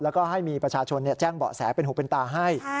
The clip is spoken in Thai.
แล้วก็ให้มีประชาชนแจ้งเบาะแสเป็นหูเป็นตาให้